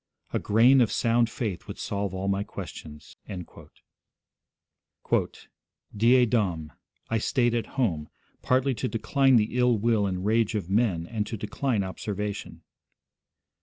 A grain of sound faith would solve all my questions.' 'Die Dom. I stayed at home, partly to decline the ill will and rage of men and to decline observation.'